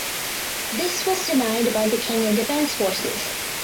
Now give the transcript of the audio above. This was denied by the Kenya Defence Forces.